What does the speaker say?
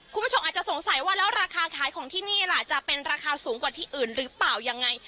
คุณผู้ชมอาจจะสงสัยว่าแล้วราคาขายของที่นี่ล่ะจะเป็นราคาสูงกว่าที่อื่นหรือเปล่ายังไง